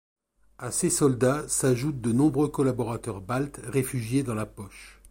À ces soldats s'ajoutent de nombreux collaborateurs baltes, réfugiés dans la poche.